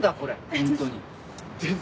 本当に。